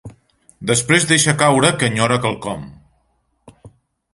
Després deixa caure que enyora quelcom.